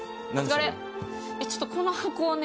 えっちょっとこの箱をね